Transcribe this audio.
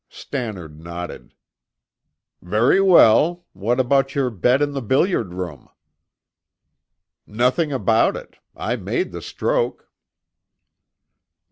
Stannard nodded. "Very well! What about your bet in the billiard room?" "Nothing about it. I made the stroke."